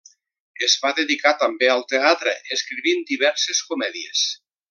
Es va dedicar també al teatre, escrivint diverses comèdies.